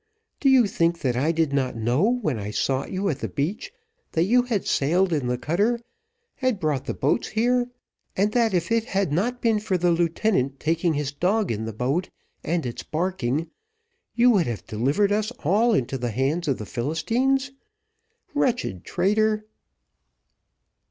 Do you think that I did not know when I sought you at the beach that you had sailed in the cutter, had brought the boats here, and that if it had not been for the lieutenant taking his dog in the boat, and its barking, you would have delivered us all into the hands of the Philistines? wretched traitor."